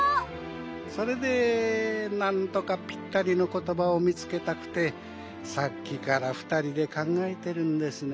それでなんとかぴったりのことばをみつけたくてさっきからふたりでかんがえてるんですね。